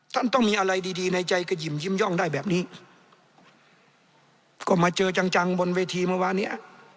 ต้องมีอะไรดีดีในใจก็หิ่มยิ้มย่องได้แบบนี้ก็มาเจอจังจังบนเวทีเมื่อวานเนี้ย